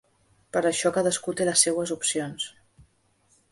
X això cadascú té les seues opcions.